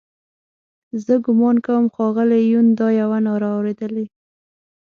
زه ګومان کوم ښاغلي یون دا یوه ناره اورېدلې.